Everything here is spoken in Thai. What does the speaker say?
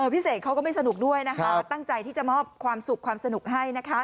พิเศษเขาก็ไม่สนุกด้วยตั้งใจที่จะมอบความสุขความสนุกให้